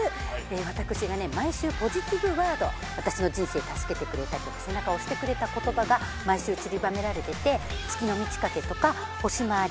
私がね毎週ポジティブワード私の人生助けてくれたりとか背中を押してくれた言葉が毎週散りばめられてて月の満ち欠けとか星回り